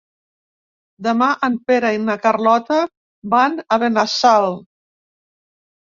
Demà en Pere i na Carlota van a Benassal.